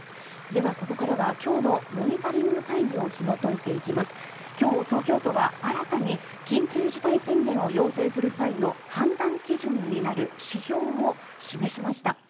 では、ここからは今日のモニタリング会議をひも解いていきます。今日、東京都は新たに緊急事態宣言を要請する際の判断基準になる指標を示しました。